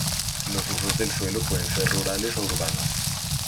Los usos del suelo pueden ser rurales o urbanos.